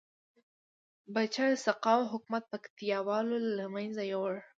بچه سقاو حکومت پکتيا والو لمنځه یوړ